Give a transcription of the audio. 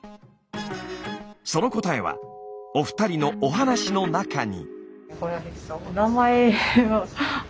その答えはお二人のお話の中に。